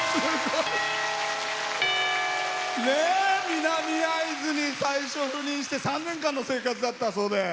南会津に最初赴任して３年間の生活だったそうで。